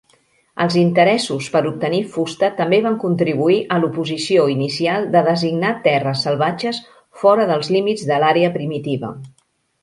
Els interessos per obtenir fusta també van contribuir a l'oposició inicial de designar terres salvatges fora dels límits de l'àrea primitiva.